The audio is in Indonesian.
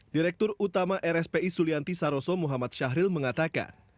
direktur utama rspi sulianti saroso muhammad syahril mengatakan